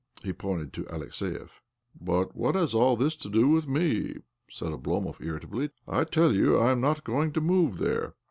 He pointed to Alexiev. " But what has all this to do with me? " said Oblomov irritably. " I tell you I am not going to move there."